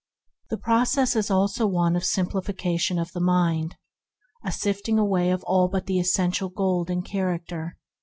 The process is also one of simplification of the mind, a sifting away of all but the essential gold in character.